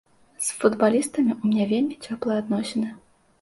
З футбалістамі ў мяне вельмі цёплыя адносіны.